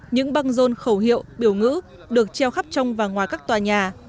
những băng rôn khẩu hiệu biểu ngữ được treo khắp trong và ngoài các tòa nhà